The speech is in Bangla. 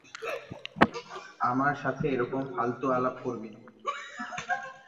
আমার সাথে এরকম ফালতু আলাপ করবি না।